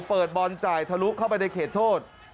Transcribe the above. เปิดบอลจ่ายทะลุเข้าไปในเขตโทษ